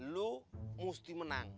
lu mesti menang